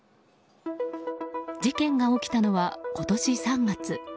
事件が起きたのは今年３月。